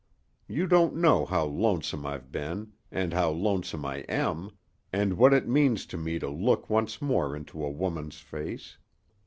You don't know how lonesome I've been, and how lonesome I am, and what it means to me to look once more into a woman's face.